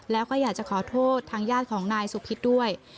แล้วก็อยากจะขอโทษทางญาติของนายสุพิษด้วย